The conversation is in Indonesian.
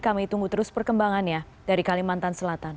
kami tunggu terus perkembangannya dari kalimantan selatan